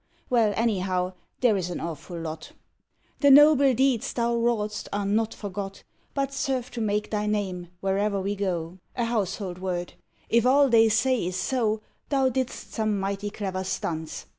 " Well, anyhow, there is an awful lot.) The noble deeds thou wrought st are not forgot But serve to make thy name, where er we go, 21 SONNETS OF A BUDDING BARD A household word. If all they say is so Thou didst some mighty clever stunts.